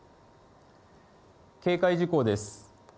警戒事項です。